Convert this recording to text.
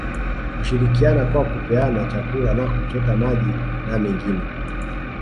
Hushirikiana kwa kupeana chakula na kuchota maji na mengine